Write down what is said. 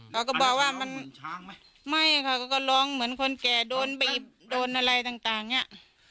เราก็บอกว่ามันไม่เขาก็ร้องเหมือนคนแก่โดนอะไรต่างเนี่ย